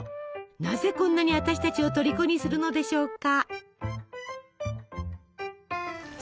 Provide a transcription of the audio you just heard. なぜこんなに私たちをとりこにするのでしょうか？